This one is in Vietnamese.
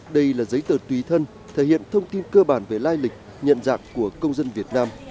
đây là giấy tờ tùy thân thể hiện thông tin cơ bản về lai lịch nhận dạng của công dân việt nam